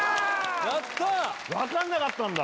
やったー分かんなかったんだ？